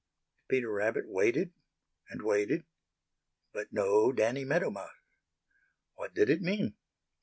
Peter Rabbit waited and waited, but no Danny Meadow Mouse. What did it mean?